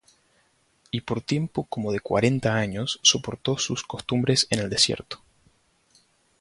Y por tiempo como de cuarenta años soportó sus costumbres en el desierto;